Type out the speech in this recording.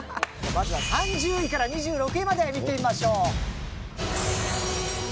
まずは３０位から２６位まで見てみましょう。